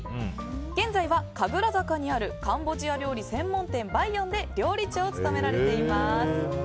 現在は神楽坂にあるカンボジア料理専門店バイヨンで料理長を務めています。